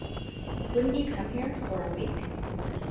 "WOULDN'T YOU COME HERE FOR A WEEK?"